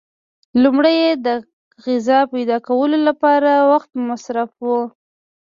لومړی یې د غذا پیدا کولو لپاره وخت مصرفاوه.